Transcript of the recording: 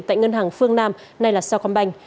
tại ngân hàng phương nam nay là sao khám bành